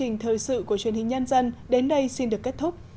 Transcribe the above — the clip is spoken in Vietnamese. hình thời sự của truyền hình nhân dân đến đây xin được kết thúc